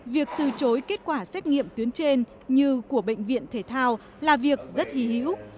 việc từ chối kết quả xét nghiệm tuyến trên như của bệnh viện thể thao là việc rất hí hí úc